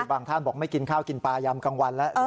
ท่านบอกไม่กินข้าวกินปลายำกลางวันแล้ว